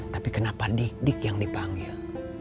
tapi kenapa dik dik yang dipanggil